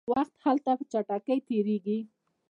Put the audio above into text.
وخت هلته په چټکۍ تیریږي.